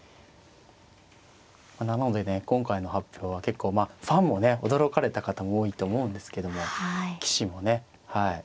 なのでね今回の発表は結構まあファンもね驚かれた方も多いと思うんですけども棋士もねはい。